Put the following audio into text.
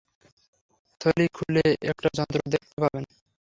সেলাি খুললে একটা যন্ত্র দেখতে পাবেন।